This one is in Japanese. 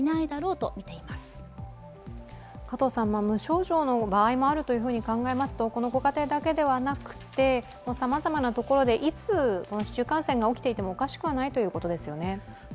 無症状の場合もあると考えますと、このご家庭だけではなくてさまざまなところでいつ市中感染が起きていてもおかしくないということですね？